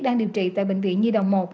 đang điều trị tại bệnh viện nhi đồng một